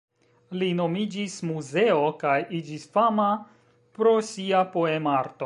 Li nomiĝis Muzeo, kaj iĝis fama pro sia poem-arto.